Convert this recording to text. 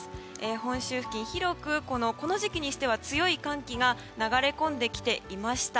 本州付近この時期にしては強い寒気が流れ込んできていました。